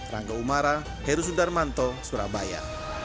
rangga umara heru sundar manto surabaya